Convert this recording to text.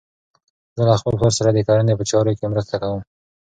زه له خپل پلار سره د کرنې په چارو کې مرسته کوم.